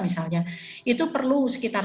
misalnya itu perlu sekitar